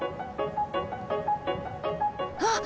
あっ！